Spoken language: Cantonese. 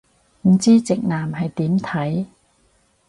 唔知直男會點睇